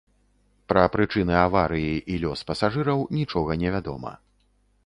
Пра прычыны аварыі і лёс пасажыраў, нічога невядома.